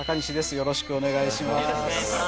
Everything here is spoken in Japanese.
よろしくお願いします。